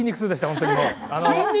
本当に、もう。